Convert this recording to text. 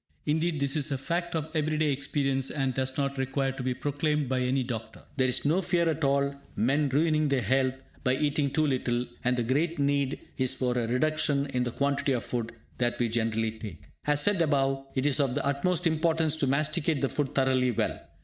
Indeed, this is a fact of everyday experience, and does not require to be proclaimed by any doctor. There is no fear at all of men ruining their health by eating too little; and the great need is for a reduction in the quantity of food that we generally take. As said above, it is of the utmost importance to masticate the food thoroughly well.